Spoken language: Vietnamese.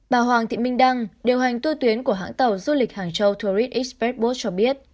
bà hoàng thị minh đăng điều hành tuyến của hãng tàu du lịch hàng châu tourist express bus cho biết